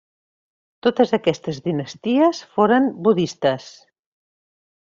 Totes aquestes dinasties foren budistes.